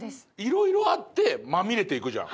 色々あってまみれていくじゃん。